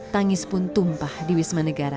tangis pun tumpah di wisma negara